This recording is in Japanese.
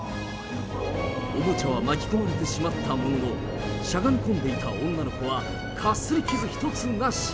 おもちゃは巻き込まれてしまったものの、しゃがみこんでいた女の子はかすり傷一つなし。